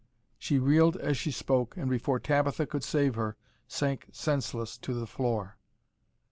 She reeled as she spoke, and before Tabitha could save her, sank senseless to the floor.